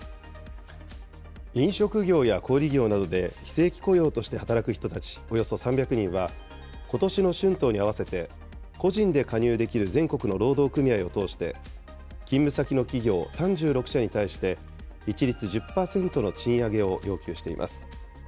飲食業や小売り業などで、非正規雇用として働く人たちおよそ３００人は、ことしの春闘に合わせて、個人で加入できる全国の労働組合を通して、勤務先の企業３６社に対して、一律１０％の賃上げを要求しています。